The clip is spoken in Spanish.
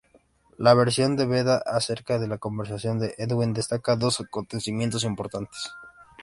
La versión de Beda acerca de la conversión de Edwin destaca dos acontecimientos importantes.